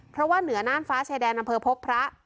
เพราะว่าเหนือน่านฟ้าชายแดนอำเภอพบพระ